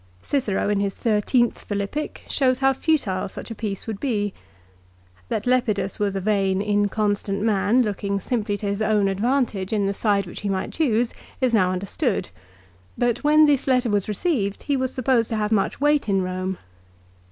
Cicero in his thirteenth Philippic shows how futile such a peace would be. That Lepidus was a vain inconstant man, looking simply to his own advantage in the side which he might choose, is now understood ; but when this letter was received he was supposed to have much weight in Eome.